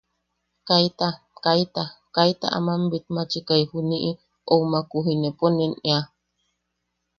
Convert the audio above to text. Kaita, kaita, kaita aman bitmachikai, juniʼi, o maku o inepo nuen ea.